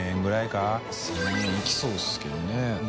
１０００円いきそうですけどね。